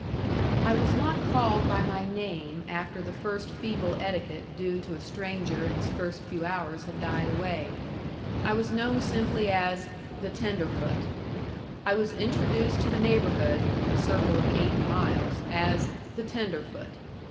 I was not called by my name after the first feeble etiquette due to a stranger in his first few hours had died away. I was known simply as "the tenderfoot." I was introduced to the neighborhood (a circle of eighty miles) as "the tenderfoot."